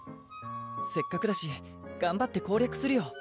せっかくだしがんばって攻略するよ